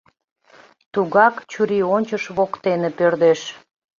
Тугак чурийончыш воктене пӧрдеш.